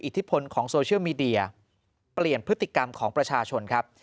อิทธิพลของโซเชียลมีเดียเปลี่ยนพฤติกรรมของประชาชนครับ